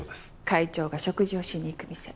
会長が食事をしに行く店。